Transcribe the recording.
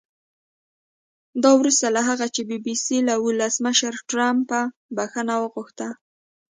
دا وروسته له هغه چې بي بي سي له ولسمشر ټرمپه بښنه وغوښته